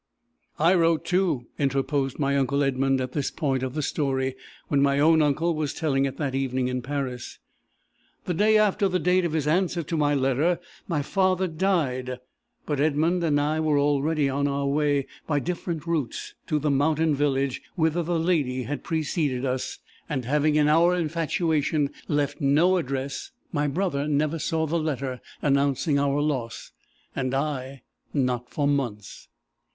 "I wrote too," interposed my uncle Edmund at this point of the story, when my own uncle was telling it that evening in Paris. "The day after the date of his answer to my letter, my father died. But Edmund and I were already on our way, by different routes, to the mountain village whither the lady had preceded us; and having, in our infatuation, left no address, my brother never saw the letter announcing our loss, and I not for months.